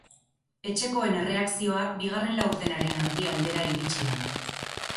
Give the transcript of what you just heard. Etxekoen erreakzioa bigarren laurdenaren erdi aldera iritsi da.